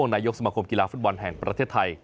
นายกสมคมกีฬาฟุตบอลแห่งประเทศไทย